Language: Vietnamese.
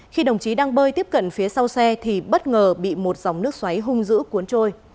khi đồng chí đang bơi tiếp cận phía sau xe thì bất ngờ bị một dòng nước xoáy hung dữ cuốn trôi